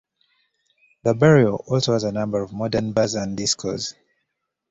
The "barrio" also has a number of modern bars and discos.